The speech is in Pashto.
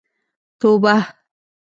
توبه.